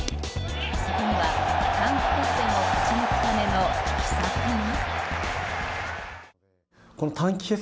そこには、短期決戦を勝ち抜くための秘策が。